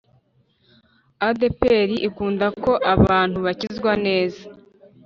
adeperi ikunda ko abantu bakizwa neza